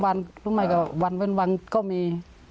๒๓วันวันเว้นก็มี